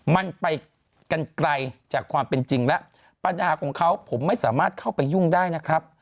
มันไปกันไกลจากความเป็นจริงแล้วปัญหาของเขาผมไม่สามารถเข้าไปยุ่งได้นะครับ